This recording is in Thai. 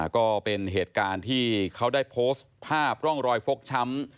ก็เป็นเหตุการณ์ที่เขาได้โพสต์ภาพร่องรอยฟกช้ำ